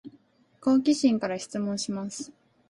好奇心から質問します